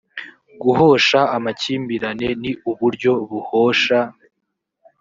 guhosha amakimbirane ni uburyo buhosha